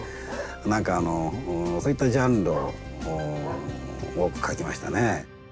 何かあのそういったジャンルを多く描きましたね。